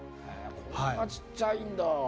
こんなちっちゃいんだ。